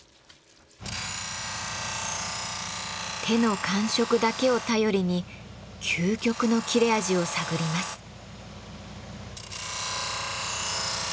手の感触だけを頼りに究極の切れ味を探ります。